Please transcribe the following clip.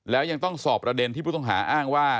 แล้วยังต้องสอบประเด็นที่ผู้ต้องหาอ้างว่า